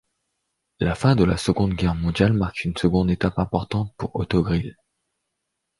La fin de la Seconde Guerre mondiale marque une seconde étape importante pour Autogrill.